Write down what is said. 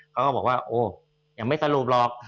เขาก็บอกว่าโอ้ยังไม่สรุปหรอก